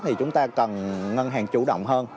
thì chúng ta cần ngân hàng chủ động hơn